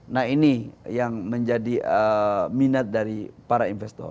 nah ini yang menjadi minat dari para investor